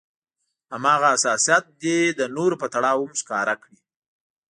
هماغه حساسيت دې د نورو په تړاو هم ښکاره کړي.